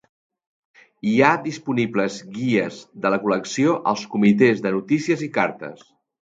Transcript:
Hi ha disponibles guies de la col·lecció als comitès de notícies i cartes.